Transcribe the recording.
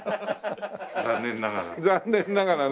残念ながら。